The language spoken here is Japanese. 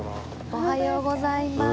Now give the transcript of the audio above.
おはようございまーす。